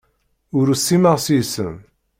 Ur usimeɣ seg-wen.